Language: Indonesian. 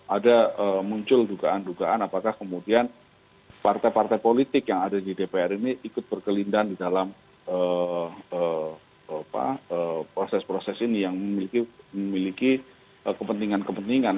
ada muncul dugaan dugaan apakah kemudian partai partai politik yang ada di dpr ini ikut berkelindahan di dalam proses proses ini yang memiliki kepentingan kepentingan